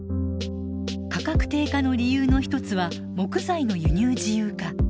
価格低下の理由の一つは木材の輸入自由化。